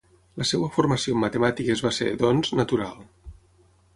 La seva formació en matemàtiques va ser, doncs, natural.